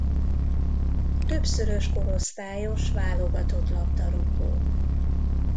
Többszörös korosztályos válogatott labdarúgó.